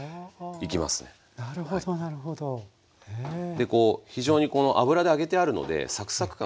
でこう非常にこの油で揚げてあるのでサクサク感